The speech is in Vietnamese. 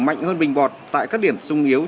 mạnh hơn bình bột tại các điểm sung yếu